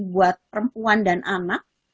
buat perempuan dan anak